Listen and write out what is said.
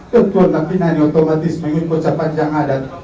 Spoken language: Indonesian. tukun nangkinani otomatis mengikut ucapan jangadat